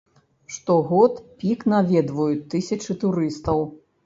Штогод пік наведваюць тысячы турыстаў.